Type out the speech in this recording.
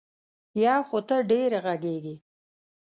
یو خو ته ډېره غږېږې.